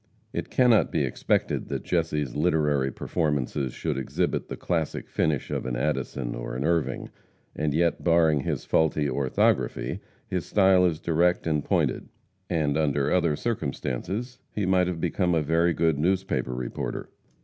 It cannot be expected that Jesse's literary performances should exhibit the classic finish of an Addison or an Irving, and yet barring his faulty orthography, his style is direct and pointed, and under other circumstances he might have become a very good newspaper reporter.